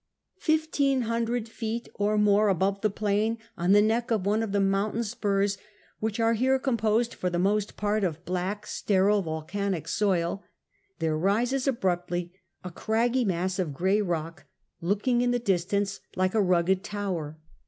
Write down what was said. Fifteen hundred feet or more al30ve the plain, on the neck of one of the mountain spurs, which are here composed for the most part of black, sterile, volcanic soil, there rises abruptly a craggy mass of grey rock, looking in the distance like a rugged tower.